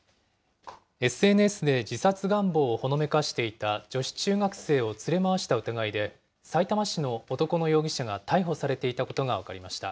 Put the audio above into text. ＳＮＳで自殺願望をほのめかしていた女子中学生を連れ回した疑いで、さいたま市の男の容疑者が逮捕されていたことが分かりました。